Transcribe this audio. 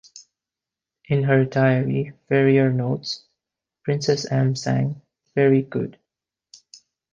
In her diary, Ferrier notes: "Princess M sang-"very" good!".